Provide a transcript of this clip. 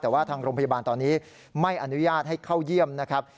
แต่ว่าทางโรงพยาบาลตอนนี้ไม่อนุญาตให้เข้าเยี่ยมนะครับ